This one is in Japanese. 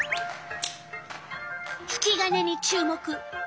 引き金に注目。